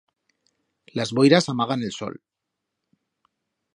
Las boiras amagan el sol.